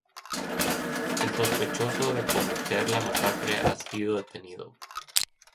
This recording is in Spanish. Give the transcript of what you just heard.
El sospechoso de cometer la masacre ha sido detenido.